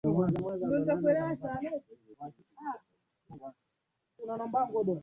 vyeo ndani ya Kanisa kwa kuwa viliendana sasa na heshima na mali hivyo